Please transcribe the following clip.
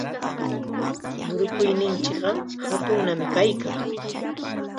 Murukuyninchikqa hatunnam kaykan.